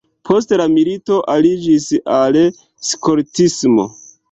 Post la milito aliĝis al skoltismo.